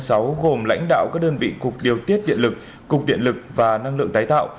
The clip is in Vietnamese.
gồm lãnh đạo các đơn vị cục điều tiết điện lực cục điện lực và năng lượng tái tạo